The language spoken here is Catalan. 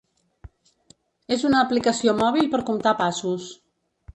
És una aplicació mòbil per comptar passos.